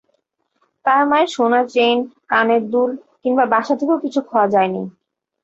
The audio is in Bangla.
তাঁর মায়ের সোনার চেইন, কানের দুল কিংবা বাসা থেকেও কিছু খোয়া যায়নি।